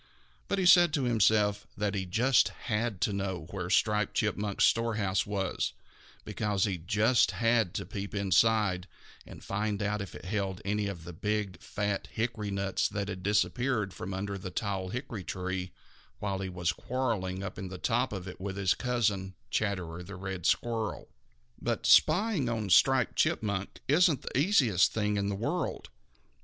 But he said to himself that he just had to know where Striped Chipmunk's storehouse was, because he just had to peep inside and find out if it held any of the big, fat hickory nuts that had disappeared from under the tall hickory tree while he was quarreling up in the top of it with his cousin, Chatterer the Red Squirrel. But spying on Striped Chipmunk isn't the easiest thing in the world.